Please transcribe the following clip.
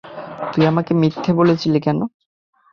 তুই আমাকে মিথ্যে বলেছিলি কেন?